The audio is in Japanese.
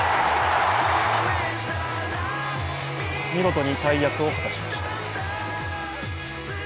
見事に大役を果たしました。